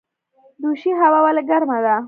دوشي هوا ولې ګرمه ده؟